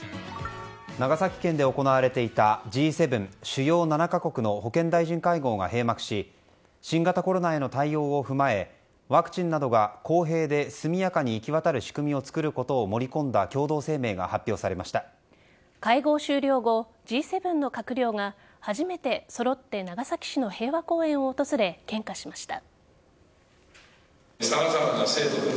長崎県で行われていたＧ７＝主要７カ国の保健大臣会合が閉幕し新型コロナへの対応を踏まえワクチンなどが、公平で速やかに行き渡る仕組みを作ることを盛り込んだ会合終了後、Ｇ７の閣僚が初めて揃って長崎市の平和公園を訪れ献花しました。